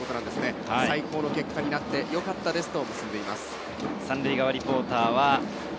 最高の結果になってよかったですと結んでいます。